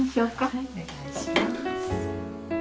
はいお願いします。